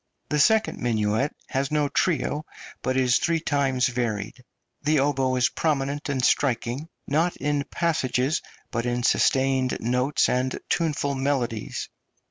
The second minuet has no trio, but is three times varied. The oboe is prominent and striking, not in passages, but in sustained notes and tuneful melodies.